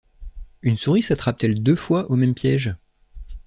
Une souris s’attrape-t-elle deux fois au même piége?